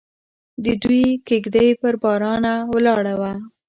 د دوی کږدۍ پر بارانه ولاړه وه.